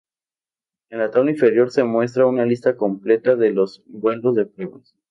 En la tabla inferior se muestra una lista completa de los vuelos de pruebas.